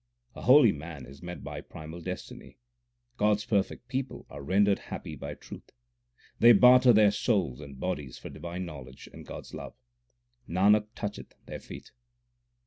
A holy man is met by primal destiny. God s perfect people are rendered happy by truth : They barter their souls and bodies for divine knowledge and God s love. Nanak toucheth their feet.